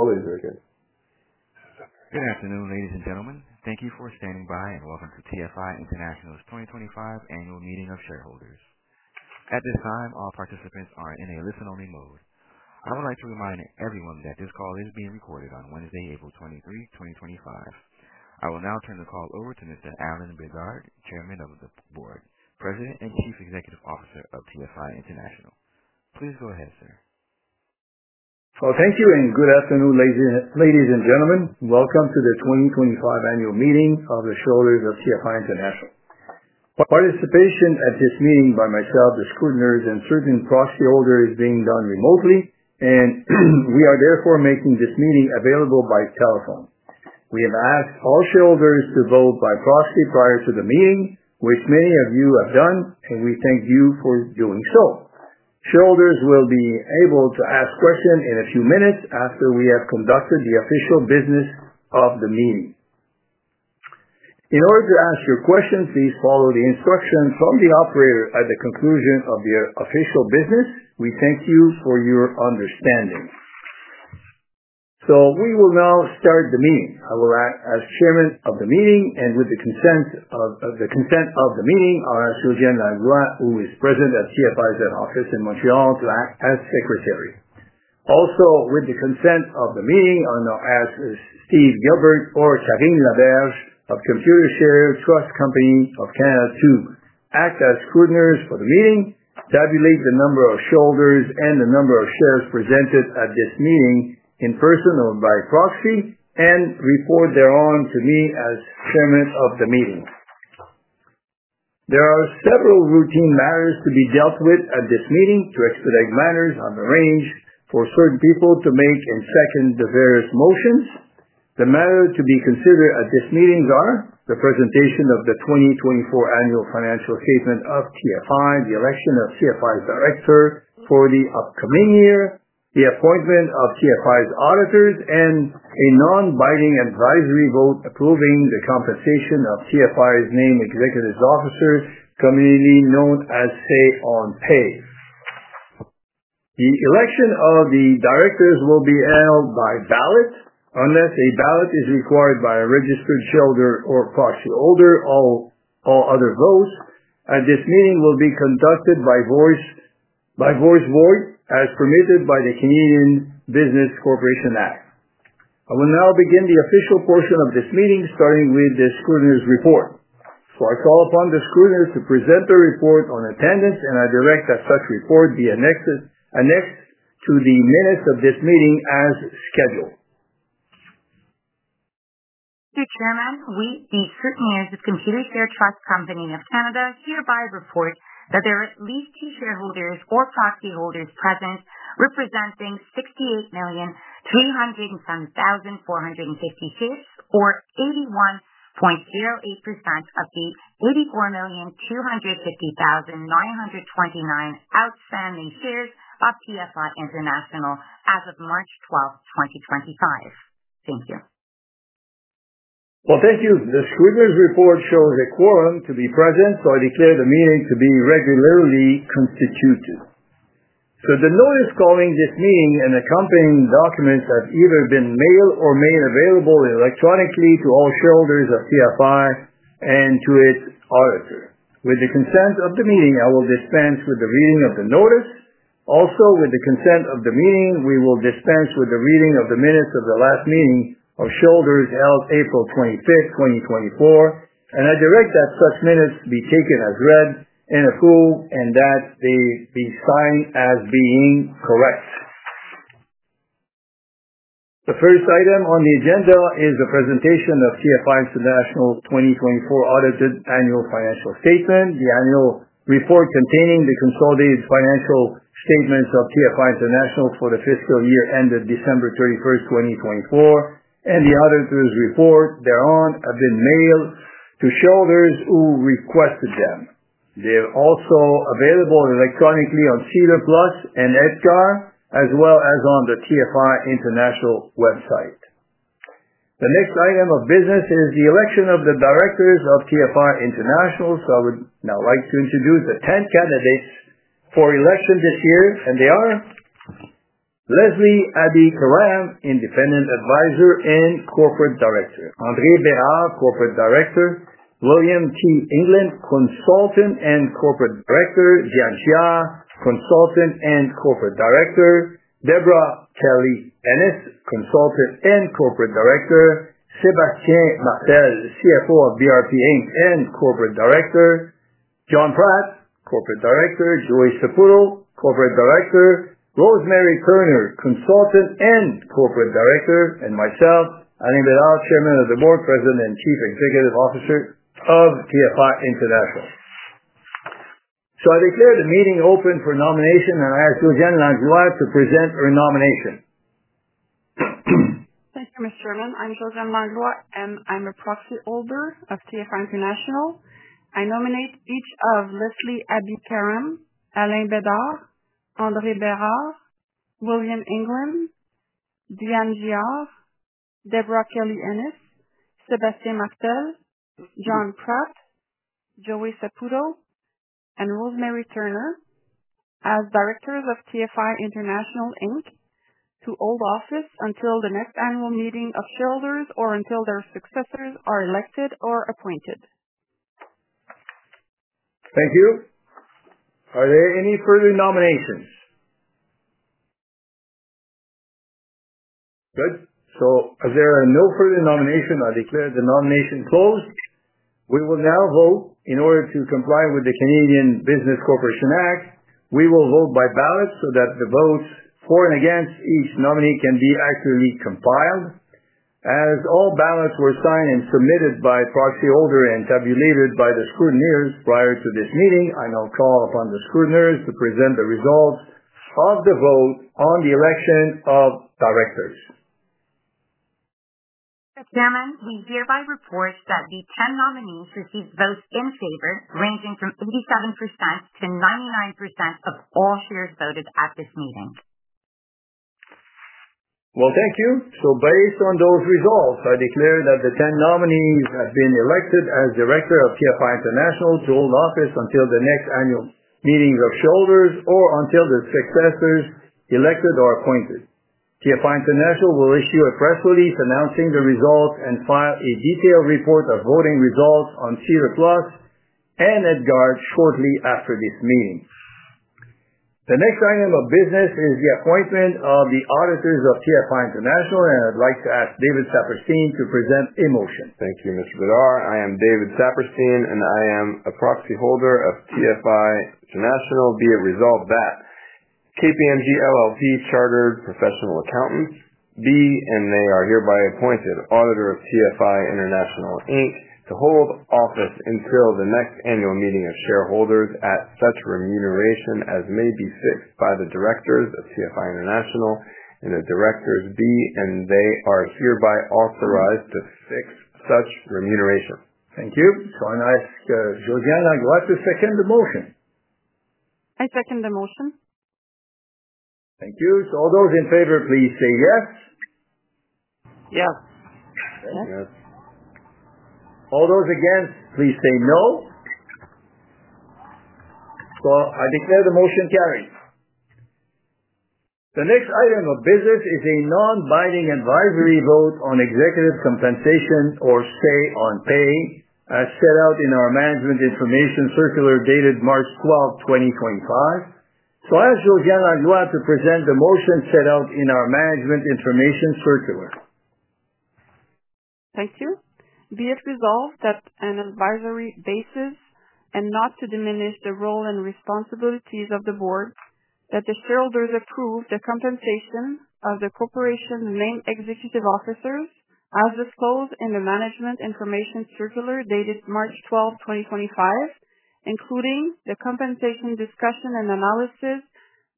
Good afternoon, ladies and gentlemen. Thank you for standing by and welcome to TFI International's 2025 Annual Meeting of Shareholders. At this time, all participants are in a listen-only mode. I would like to remind everyone that this call is being recorded on Wednesday, April 23, 2025. I will now turn the call over to Mr. Alain Bédard, Chairman of the Board, President and Chief Executive Officer of TFI International. Please go ahead, sir. Thank you and good afternoon, ladies and gentlemen. Welcome to the 2025 Annual Meeting of the Shareholders of TFI International. Participation at this meeting by myself, the scrutineers, and certain proxy holders is being done remotely, and we are therefore making this meeting available by telephone. We have asked all shareholders to vote by proxy prior to the meeting, which many of you have done, and we thank you for doing so. Shareholders will be able to ask questions in a few minutes after we have conducted the official business of the meeting. In order to ask your questions, please follow the instructions from the operator at the conclusion of their official business. We thank you for your understanding. We will now start the meeting. I will act as Chairman of the meeting, and with the consent of the meeting, I'll ask Josiane-Mélanie Langlois, who is present at TFI's head office in Montreal, to act as Secretary. Also, with the consent of the meeting, I'll now ask Steve Gilbert or Kevin Laberge of Computershare Trust Company of Canada to act as scrutineers for the meeting, tabulate the number of shareholders and the number of shares presented at this meeting in person or by proxy, and report their own to me as Chairman of the meeting. There are several routine matters to be dealt with at this meeting to expedite matters on the range for certain people to make and second the various motions. The matters to be considered at this meeting are the presentation of the 2024 Annual Financial Statement of TFI, the election of TFI's directors for the upcoming year, the appointment of TFI's auditors, and a non-binding advisory vote approving the compensation of TFI's named executive officers, commonly known as Say-on-Pay. The election of the directors will be held by ballot unless a ballot is required by a registered shareholder or proxy holder. All other votes at this meeting will be conducted by voice vote as permitted by the Canadian Business Corporations Act. I will now begin the official portion of this meeting, starting with the scrutineers' report. I call upon the scrutineers to present their report on attendance, and I direct that such report be annexed to the minutes of this meeting as scheduled. Mr. Chairman, we, the scrutineers of Computershare Trust Company of Canada, hereby report that there are at least two shareholders or proxy holders present representing 68,307,450 shares, or 81.08% of the 84,250,929 outstanding shares of TFI International as of March 12, 2025. Thank you. Thank you. The scrutineers' report shows a quorum to be present, so I declare the meeting to be regularly constituted. The notice calling this meeting and accompanying documents have either been mailed or made available electronically to all shareholders of TFI and to its auditor. With the consent of the meeting, I will dispense with the reading of the notice. Also, with the consent of the meeting, we will dispense with the reading of the minutes of the last meeting of shareholders held April 25, 2024, and I direct that such minutes be taken as read and approved and that they be signed as being correct. The first item on the agenda is the presentation of TFI International's 2024 Audited Annual Financial Statement, the annual report containing the consolidated financial statements of TFI International for the fiscal year ended December 31, 2024, and the auditor's report. Thereon have been mailed to shareholders who requested them. They are also available electronically on SEDAR+ and EDGAR, as well as on the TFI International website. The next item of business is the election of the directors of TFI International, so I would now like to introduce the 10 candidates for election this year, and they are Leslie Abi-Karam, Independent Advisor and Corporate Director; André Bérard, Corporate Director; William T. England, Consultant and Corporate Director; Jean Charest, Consultant and Corporate Director; Deborah Kelly-Ennis, Consultant and Corporate Director; Sébastien Martel, CFO of BRP Inc. and Corporate Director; John Pratt, Corporate Director; Joey Saputo, Corporate Director; Rosemary Turner, Consultant and Corporate Director; and myself, Alain Bédard, Chairman of the Board, President and Chief Executive Officer of TFI International. I declare the meeting open for nomination, and I ask Josiane-Mélanie Langlois to present her nomination. Thank you, Mr. Chairman. I'm Josiane-Mélanie Langlois, and I'm a proxy holder of TFI International. I nominate each of Leslie Abi-Karam, Alain Bédard, André Bérard, William T. England, Jean Charest, Deborah Kelly-Ennis, Sébastien Martel, John Pratt, Joey Saputo, and Rosemary Thorndike as Directors of TFI International to hold office until the next annual meeting of shareholders or until their successors are elected or appointed. Thank you. Are there any further nominations? Good. As there are no further nominations, I declare the nomination closed. We will now vote. In order to comply with the Canadian Business Corporations Act, we will vote by ballot so that the votes for and against each nominee can be accurately compiled. As all ballots were signed and submitted by proxy holder and tabulated by the scrutineers prior to this meeting, I now call upon the scrutineers to present the results of the vote on the election of directors. Mr. Chairman, we hereby report that the 10 nominees received votes in favor, ranging from 87% to 99% of all shares voted at this meeting. Thank you. Based on those results, I declare that the 10 nominees have been elected as Director of TFI International to hold office until the next annual meeting of shareholders or until their successors are elected or appointed. TFI International will issue a press release announcing the results and file a detailed report of voting results on SEDAR+ and EDGAR shortly after this meeting. The next item of business is the appointment of the auditors of TFI International, and I'd like to ask David Saperstein to present a motion. Thank you, Mr. Bédard. I am David Saperstein, and I am a proxy holder of TFI International, be it resolved that KPMG LLP Chartered Professional Accountants be and they are hereby appointed Auditor of TFI International to hold office until the next annual meeting of shareholders at such remuneration as may be fixed by the directors of TFI International and the directors be and they are hereby authorized to fix such remuneration. Thank you. I will ask Josiane-Mélanie Langlois to second the motion. I second the motion. Thank you. All those in favor, please say yes. Yes. All those against, please say no. I declare the motion carried. The next item of business is a non-binding advisory vote on executive compensation or CEONPAY, as set out in our Management Information Circular dated March 12, 2025. I ask Josiane-Mélanie Langlois to present the motion set out in our Management Information Circular. Thank you. Be it resolved that, on an advisory basis and not to diminish the role and responsibilities of the board, that the shareholders approve the compensation of the corporation's named executive officers as disclosed in the Management Information Circular dated March 12, 2025, including the compensation discussion and analysis,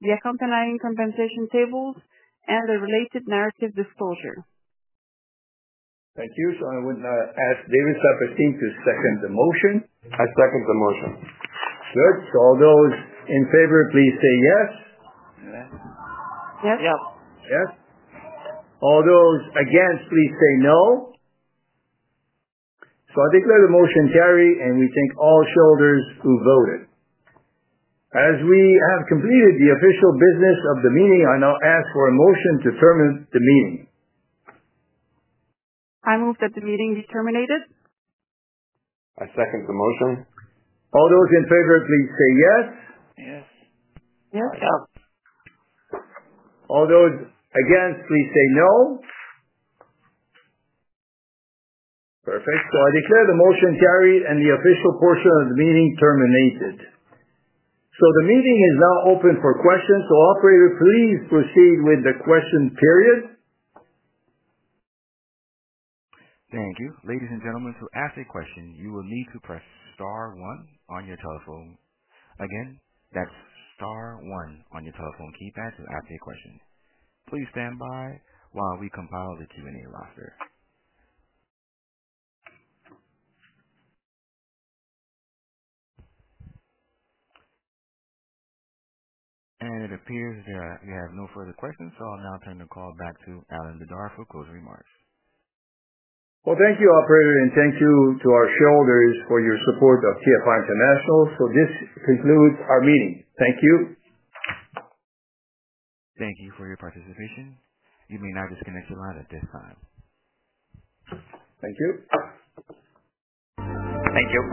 the accompanying compensation tables, and the related narrative disclosure. Thank you. I would now ask David Saperstein to second the motion. I second the motion. Good. All those in favor, please say yes. Yes. Yes. Yes. All those against, please say no. I declare the motion carried, and we thank all shareholders who voted. As we have completed the official business of the meeting, I now ask for a motion to terminate the meeting. I move that the meeting be terminated. I second the motion. All those in favor, please say yes. Yes. Yes. Yes. All those against, please say no. Perfect. I declare the motion carried and the official portion of the meeting terminated. The meeting is now open for questions. Operator, please proceed with the question period. Thank you. Ladies and gentlemen, to ask a question, you will need to press star one on your telephone. Again, that's star one on your telephone keypad to ask a question. Please stand by while we compile the Q&A roster. It appears we have no further questions, so I'll now turn the call back to Alain Bédard for closing remarks. Thank you, operator, and thank you to our shareholders for your support of TFI International. This concludes our meeting. Thank you. Thank you for your participation. You may now disconnect your line at this time. Thank you. Thank you.